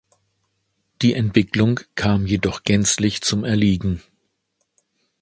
Die Entwicklung kam jedoch gänzlich zum Erliegen.